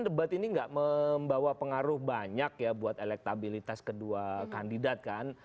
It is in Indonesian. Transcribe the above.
debat ini nggak membawa pengaruh banyak ya buat elektabilitas kedua kandidat kan